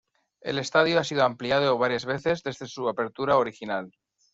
El estadio ha sido ampliado varias veces desde su apertura original.